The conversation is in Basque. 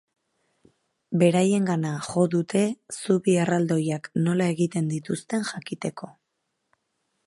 Beraiengana jo dute zubi erraldoiak nola egiten dituzten jakiteko.